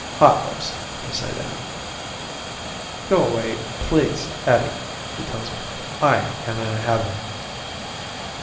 "Hotlips," I say to him. "Go away, please, Eddie," he tells me. "I am in heaven."